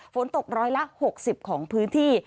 ฝนตกร้อยละ๖๐ของพื้นที่